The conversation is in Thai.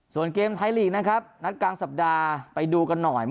ส่วนเกมไทยลีกนะครับนัดกลางสัปดาห์ไปดูกันหน่อย